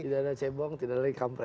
tidak ada cebong tidak ada lagi kampret